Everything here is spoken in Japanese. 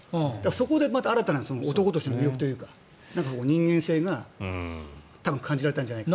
そこでまた新たに男としての魅力というか人間性が多分感じられたんじゃないかと。